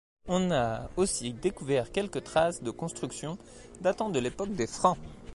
On a aussi découvert quelques traces de constructions datant de l'époque des Francs.